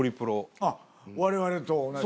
あっ我々と同じ。